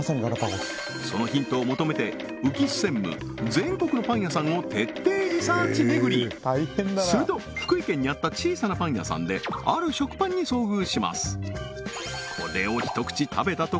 そのヒントを求めて浮須専務全国のパン屋さんを徹底リサーチ巡りすると福井県にあった小さなパン屋さんである食パンに遭遇します